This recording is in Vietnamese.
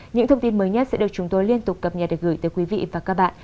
những thông tin mới nhất sẽ được chúng tôi liên tục cập nhật được gửi tới quý vị và các bạn